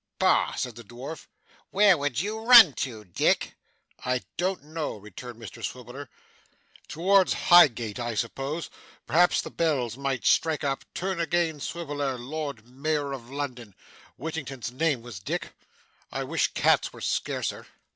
'Bah!' said the dwarf. 'Where would you run to, Dick?' 'I don't know' returned Mr Swiveller. 'Towards Highgate, I suppose. Perhaps the bells might strike up "Turn again Swiveller, Lord Mayor of London." Whittington's name was Dick. I wish cats were scarcer.